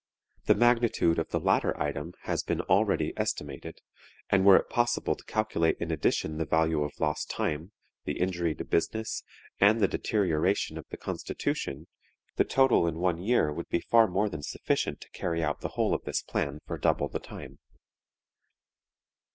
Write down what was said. The magnitude of the latter item has been already estimated, and were it possible to calculate in addition the value of lost time, the injury to business, and the deterioration of the constitution, the total in one year would be far more than sufficient to carry out the whole of this plan for double the time.